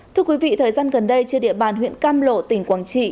thưa quý vị thời gian gần đây trên địa bàn huyện cam lộ tỉnh quảng trị